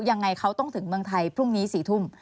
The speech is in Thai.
ยังไงเขาต้องถึงเมืองไทยพรุ่งนี้๔ทุ่ม